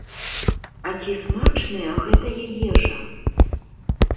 А ці смачная гэтая ежа?